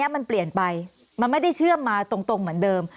มันเปลี่ยนไปมันไม่ได้เชื่อมมาตรงเหมือนเดิม